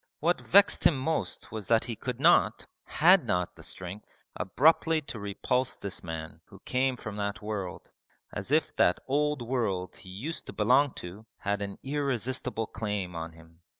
What vexed him most was that he could not had not the strength abruptly to repulse this man who came from that world: as if that old world he used to belong to had an irresistible claim on him.